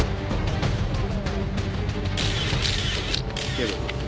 警部。